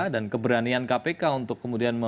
dan keberanian kpk untuk kemudian